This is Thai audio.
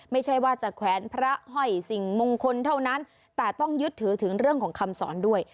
ไม่ใช่ว่าจะแขวนพระห้อยสิ่งมงคลเท่านั้นแต่ต้องยึดถือถึงเรื่องของคำสอนด้วย